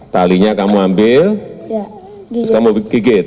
talinya kamu ambil terus kamu gigit